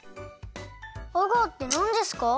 アガーってなんですか？